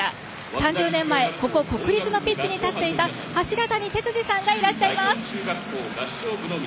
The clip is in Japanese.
３０年前、ここ国立のピッチに立っていた柱谷哲二さんがいらっしゃいます。